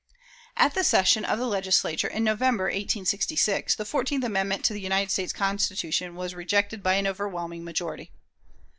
At the session of the Legislature in November, 1866, the fourteenth amendment to the United States Constitution was rejected by an overwhelming majority.